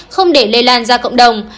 không để lây lan ra cộng đồng